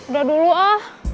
udah dulu ah